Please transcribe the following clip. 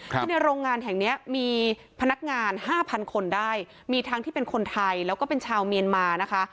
ที่ในโรงงานแห่งเนี้ยมีพนักงานห้าพันคนได้มีทั้งที่เป็นคนไทยแล้วก็เป็นชาวเมียนมานะคะ